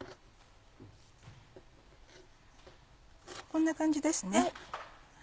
こんな感じですね。